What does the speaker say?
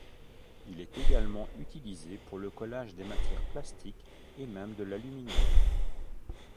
Il est également utilisé pour le collage des matières plastiques et même de l'aluminium.